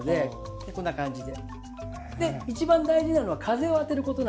こんな感じで。